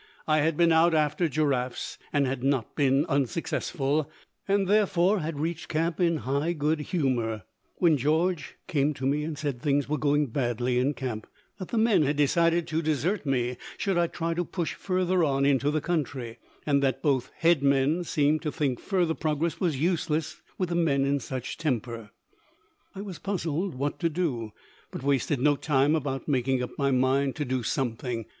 I had been out after giraffes and had not been unsuccessful, and therefore had reached camp in high good humor, when George came to me and said things were going badly in camp that the men had decided to desert me should I try to push further on into the country; and that both head men seemed to think further progress was useless with the men in such temper. I was puzzled what to do, but wasted no time about making up my mind to do something.